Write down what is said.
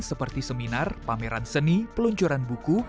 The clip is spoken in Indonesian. seperti seminar pameran seni peluncuran buku